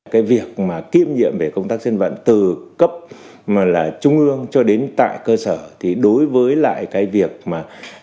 cái việc mà kiêm nhiệm về công tác dân vận từ cấp mà là trung ương cho đến tại cơ sở thì đối với lại cái việc mà